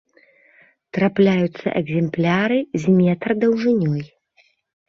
Трапляюцца экземпляры з метр даўжынёй.